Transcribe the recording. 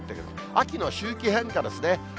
秋の周期変化ですね。